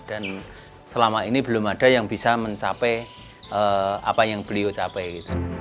dan selama ini belum ada yang bisa mencapai apa yang beliau capai